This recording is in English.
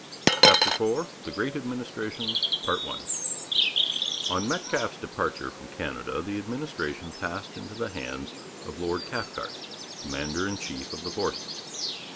CHAPTER IV THE GREAT ADMINISTRATION On Metcalfe's departure from Canada the administration passed into the hands of Lord Cathcart, commander in chief of the forces.